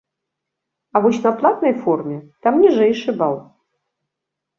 А вось на платнай форме, там ніжэйшы бал.